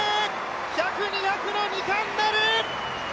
１００、２００の２冠なる！